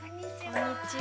こんにちは。